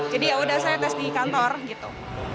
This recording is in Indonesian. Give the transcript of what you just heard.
jadi yaudah saya tes di kantor gitu